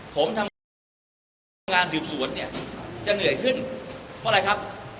ผมทำงานแล้วพนักงานสืบสวนเนี่ยจะเหนื่อยขึ้นเพราะอะไรครับ